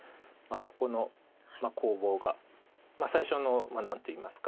ここの攻防が最初の何といいますか。